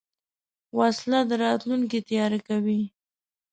وسله د راتلونکي تیاره کوي